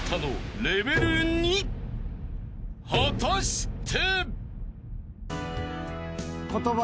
［果たして］